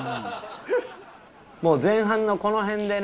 もう前半のこの辺でね